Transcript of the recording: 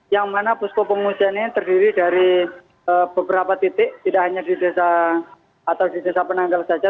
yang mana pusku pengungsian ini terdiri dari beberapa titik tidak hanya di desa penanggal saja